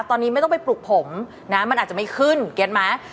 ตอนนี้ไม่ต้องไปปลุกผมนะมันอาจจะไม่ขึ้นเก็ตไหม